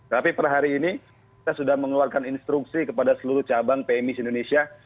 tapi per hari ini kita sudah mengeluarkan instruksi kepada seluruh cabang pmi indonesia